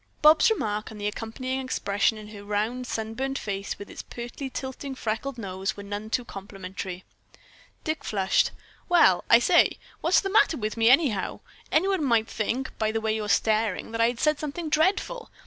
Bobs' remark and the accompanying expression in her round, sunburned face, with its pertly tilting freckled nose, were none too complimentary. Dick flushed. "Well, I say! What's the matter with me, anyhow? Anyone might think, by the way you're staring, that I had said something dreadful.